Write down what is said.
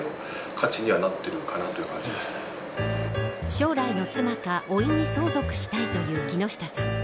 将来の妻かおいに相続したいという木下さん。